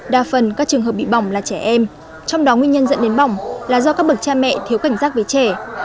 đa phần các trường hợp bị bỏng là trẻ em trong đó nguyên nhân dẫn đến bỏng là do các bậc cha mẹ thiếu cảnh giác với trẻ